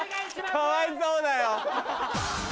かわいそうだよ！